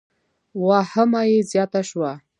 واهمه یې زیاته شوه.